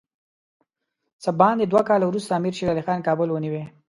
څه باندې دوه کاله وروسته امیر شېر علي خان کابل ونیوی.